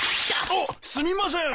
あっすみません！